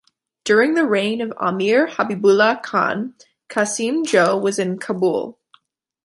During the reign of Amir Habibullah Khan, Qasim Jo was in Kabul.